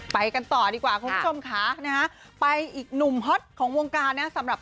ไปกันต่อดีกว่าคุณผู้ชมค่ะนะฮะไปอีกหนุ่มฮอตของวงการนะสำหรับ